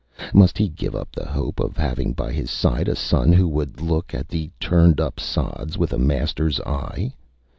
Must he give up the hope of having by his side a son who would look at the turned up sods with a masterÂs eye?